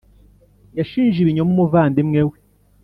Yashinje ibinyoma umuvandimwe we .